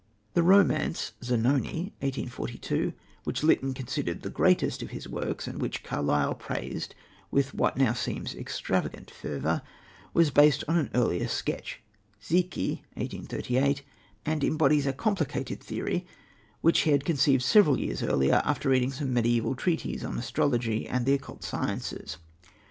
The romance, Zanoni (1842), which Lytton considered the greatest of his works and which Carlyle praised with what now seems extravagant fervour, was based on an earlier sketch, Zicci (1838), and embodies a complicated theory which he had conceived several years earlier after reading some mediaeval treatises on astrology and the occult sciences.